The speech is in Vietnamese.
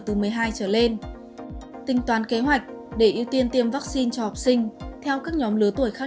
từ một mươi hai trở lên tính toán kế hoạch để ưu tiên tiêm vaccine cho học sinh theo các nhóm lứa tuổi khác